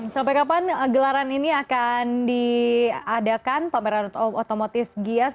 sampai kapan gelaran ini akan diadakan pameran otomotif gias